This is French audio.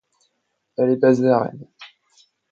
Elle est basée à Rennes.